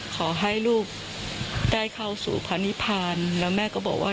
ขอให้ลูกได้เข้าสู่พาณิพานแล้วแม่ก็บอกว่า